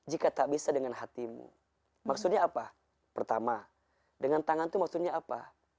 jika tak bisa dengan hatimu maksudnya apa pertama dengan tangan tuh maksudnya apa